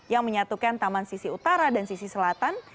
yang menyatukan taman sisi utara dan sisi selatan